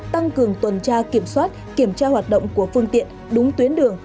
tăng cường tuần tra kiểm soát kiểm tra hoạt động của phương tiện đúng tuyến đường